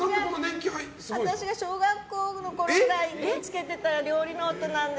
私が小学校のころぐらいにつけてた料理ノートなんです。